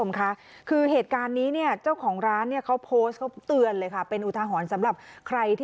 คือเวลาเทิงเริ่มเลี่ยงนะครับเหตุการณ์ที่เกิดขึ้นหน้าร้านเขาโพสต์เขาเตือนเป็นอุทาหรรณ์